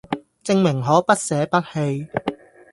證明可不捨不棄